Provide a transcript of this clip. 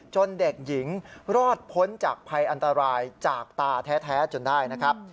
เด็กหญิงรอดพ้นจากภัยอันตรายจากตาแท้จนได้นะครับ